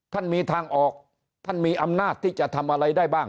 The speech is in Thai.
ท่านมีทางออกท่านมีอำนาจที่จะทำอะไรได้บ้าง